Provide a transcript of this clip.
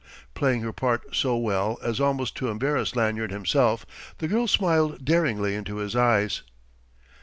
Playing her part so well as almost to embarrass Lanyard himself, the girl smiled daringly into his eyes.